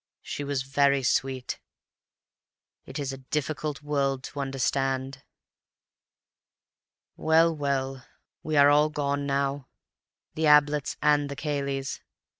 She was very sweet. It is a difficult world to understand. "Well, well, we are all gone now—the Abletts and the Cayleys.